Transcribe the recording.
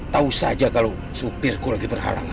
tahu saja kalau supirku lagi berharap